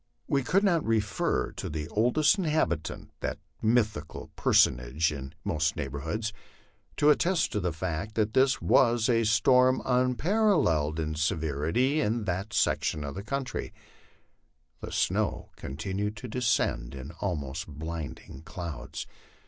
We could not refer to the oldest inhabitant, that mythical personage in most neighborhoods, to attest to the fact that this was a storm unparalleled in severity in that section of country. The snow continued to de scend in almost blinding clouds.